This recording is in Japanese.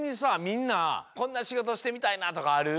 みんなこんなしごとしてみたいなとかある？